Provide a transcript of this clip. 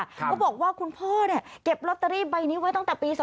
เขาบอกว่าคุณพ่อเก็บลอตเตอรี่ใบนี้ไว้ตั้งแต่ปี๒๕๖